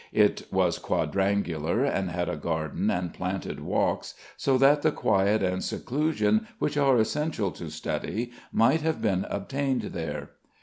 It was quadrangular, and had a garden and planted walks, so that the quiet and seclusion which are essential to study might have been obtained there.